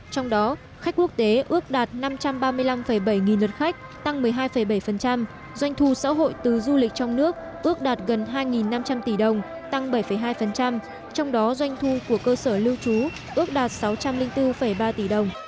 trong đó khách quốc tế ước đạt năm trăm ba mươi năm bảy nghìn lượt khách tăng một mươi hai bảy doanh thu xã hội từ du lịch trong nước ước đạt gần hai năm trăm linh tỷ đồng tăng bảy hai trong đó doanh thu của cơ sở lưu trú ước đạt sáu trăm linh bốn ba tỷ đồng